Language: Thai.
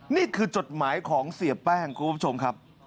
จดหมายของเสียแป้งคุณผู้ชมครับ